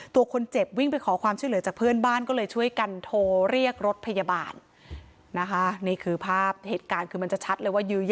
ตัวคนเจ็บวิ่งไปขอความช่วยเหลือจากเพื่อนบ้านก็เลยช่วยกันโทรเรียกรถพยาบาล